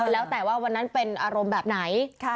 แล้วแต่ว่าวันนั้นเป็นอารมณ์แบบไหน